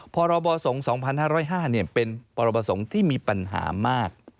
พรบสงฆ์๒๕๐๕เป็นปรประสงค์ที่มีปัญหามาก